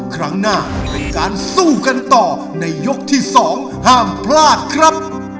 ครั้งหน้าเป็นการสู้กันต่อในยกที่๒ห้ามพลาดครับ